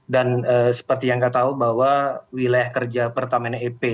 dan seperti yang kita tahu bahwa wilayah kerja pertama ini ep